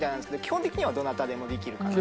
基本的にはどなたでもできるかなと。